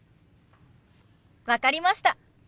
分かりました。